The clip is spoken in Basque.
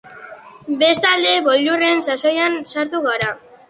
Bestalde, boilurren sasoian sartu gara.